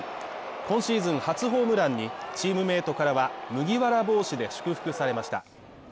今シーズン初ホームランにチームメートからは麦わら帽子で祝福されました。